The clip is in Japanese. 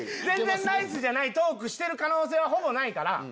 全然ナイスじゃないトークしてる可能性はほぼないから。